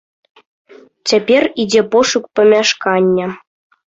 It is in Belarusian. Цяпер ідзе пошук памяшкання.